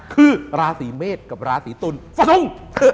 คือราศีเมศกับราศีตุ๋นสะทุ่ง